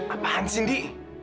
apaan sih ndi